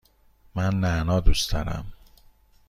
من نعنا دوست دارم.